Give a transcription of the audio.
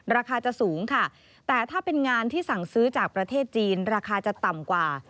ราคาจะสูงค่ะแต่ถ้าเป็นงานที่สั่งซื้อจากประเทศจีนราคาจะต่ำกว่า